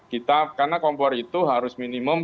karena kompor itu harus minimum